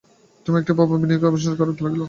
ঘরের একটি প্রভাব বিনয়কে আবিষ্ট করিয়া ধরিতে লাগিল।